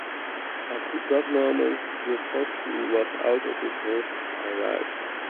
At that moment, the fox, who was out of his hole, arrived.